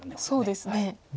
そうですね。